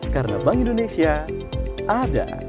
karena bank indonesia ada